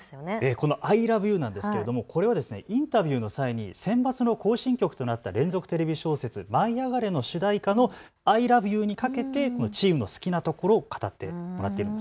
このアイラブユーなんですけれどもこれはインタビューの際にセンバツの行進曲となった連続テレビ小説舞いあがれ！の主題歌のアイラブユーにかけてチームの好きなところを語ってるという。